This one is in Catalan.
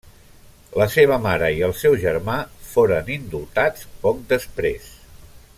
La seva mare i el seu germà foren indultats poc després.